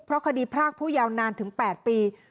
เพราะคดีพรากผู้ยาวนานถึง๘ปี